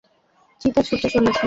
চিতা ছুটে চলেছে!